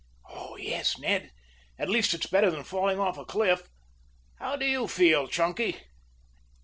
"Yes, Ned. At least it's better than falling over a cliff. How do you feel, Chunky?"